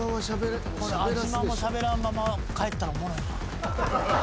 安嶋もしゃべらんまま帰ったらおもろいな。